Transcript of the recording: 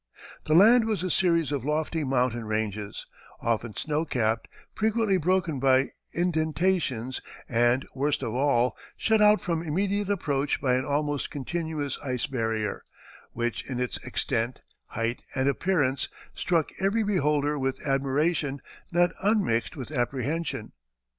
The land was a series of lofty mountain ranges, often snow capped, frequently broken by indentations, and, worst of all, shut out from immediate approach by an almost continuous ice barrier, which in its extent, height, and appearance struck every beholder with admiration not unmixed with apprehension.